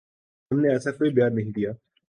ہم نے ایسا کوئی بیان نہیں دیا